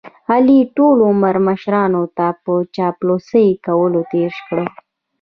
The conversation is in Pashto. علي ټول عمر مشرانو ته په چاپلوسۍ کولو تېر کړ.